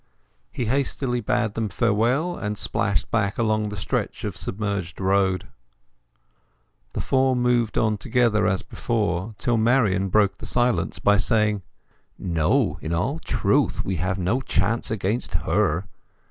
He hastily bade them farewell, and splashed back along the stretch of submerged road. The four moved on together as before, till Marian broke the silence by saying— "No—in all truth; we have no chance against her!"